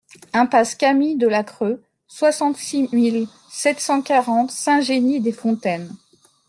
Impasse Cami de la Creu, soixante-six mille sept cent quarante Saint-Génis-des-Fontaines